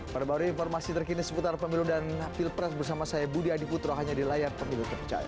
perbarui informasi terkini seputar pemilu dan pilpres bersama saya budi adiputro hanya di layar pemilu terpercaya